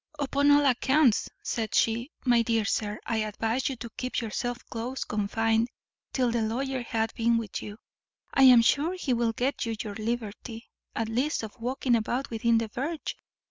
"Upon all accounts," said she, "my dear sir, I advise you to keep yourself close confined till the lawyer hath been with you. I am sure he will get you your liberty, at least of walking about within the verge.